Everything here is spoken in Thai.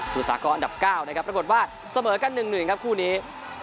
สมุทรสาคอนอันดับ๙ปรากฏว่าเสมอกัน๑๑ครับคู่นี้